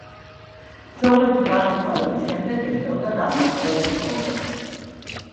მშობლების გარდაცვალების შემდეგ ეწეოდა განმარტოებით ცხოვრებას.